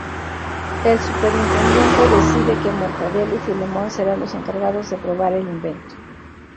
El Superintendente decide que Mortadelo y Filemón serán los encargados de probar el invento.